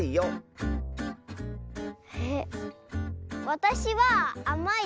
わたしはあまいですか？